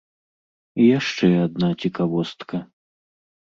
І яшчэ адна цікавостка.